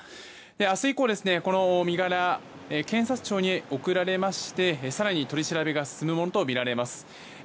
明日以降、この身柄は検察庁に送られまして更に取り調べが進むものとみられます。